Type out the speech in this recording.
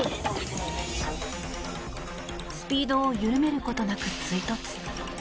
スピードを緩めることなく追突。